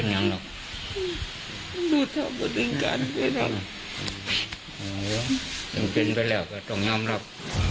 ยังเป็นไปแล้วก็ต้องย้ำรับ